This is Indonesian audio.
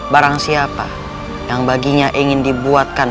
barang siapa yang baginya ingin dibuatkan